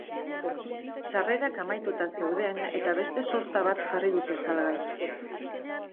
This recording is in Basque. Sarrerak amaituta zeuden eta beste sorta bat jarri dute salgai.